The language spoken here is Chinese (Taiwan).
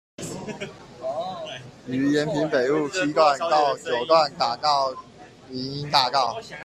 於延平北路七段到九段打造林蔭大道